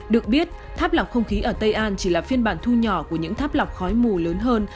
được biết tháp lọc không khí ở tây an chỉ là phiên bản thu nhỏ của những tháp lọc khói mù lớn hơn